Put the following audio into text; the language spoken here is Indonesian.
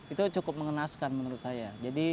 itu cukup mengenaskan menurut saya